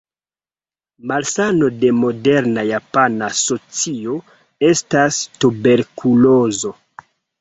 Malsano de moderna japana socio estas tuberkulozo.